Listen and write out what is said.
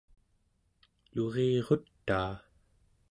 lurirutaa